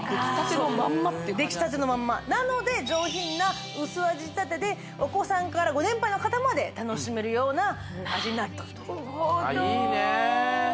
そうできたてのまんまなので上品な薄味仕立てでお子さんからご年配の方まで楽しめるような味になっとるとああいいね